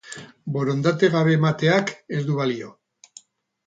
Borondate gabe emateak ez du balio.